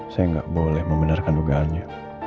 saya nggak boleh membenarkan dugaannya